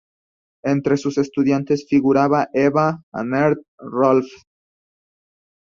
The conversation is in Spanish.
Entre sus estudiantes figura Eva Ahnert-Rohlfs.